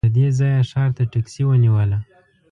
له دې ځايه ښار ته ټکسي ونیوله.